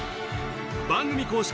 番組公式